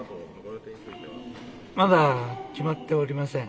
まだ決まっておりません。